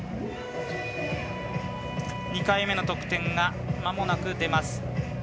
２回目の得点がまもなく出ます。